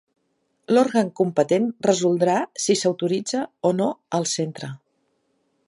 L'òrgan competent resoldrà si s'autoritza o no al centre.